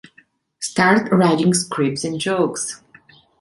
Start writing scripts and jokes.